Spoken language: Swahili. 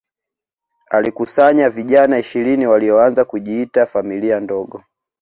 alikusanya vijana ishirini walioanza kujiita familia ndogo